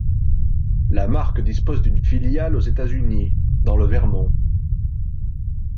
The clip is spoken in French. La marque dispose d'une filiale aux États-Unis, dans le Vermont.